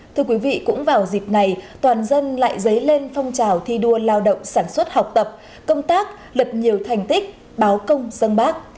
thưa quý vị cũng vào dịp này toàn dân lại dấy lên phong trào thi đua lao động sản xuất học tập công tác lập nhiều thành tích báo công dân bác